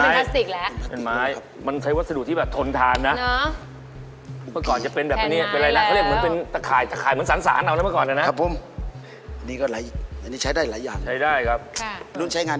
เข้าไปเช็คสินฐานเลยเอามาจากไหนก่อน